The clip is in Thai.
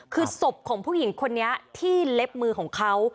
คือศพของผู้หญิงคนนี้ที่เล็บมือของเขา